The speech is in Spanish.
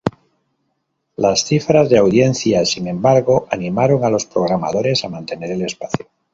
Las cifras de audiencia, sin embargo, animaron a los programadores a mantener el espacio.